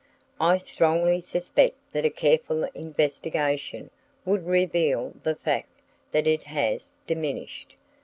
I strongly suspect that a careful investigation would reveal the fact that it has diminished.